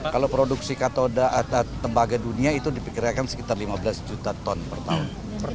kalau produksi katoda tembaga dunia itu diperkirakan sekitar lima belas juta ton per tahun